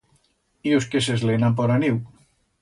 Y os que s'eslenan por a nieu.